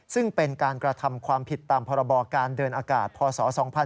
ซึ่งเป็นการกระทำความผิดตามพรบการเดินอากาศพศ๒๕๕๙